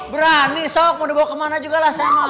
berani sok mau dibawa kemana juga lah saya mau